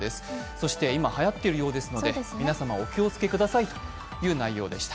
そして今、はやっているようですので皆様お気を付けくださいという内容でした。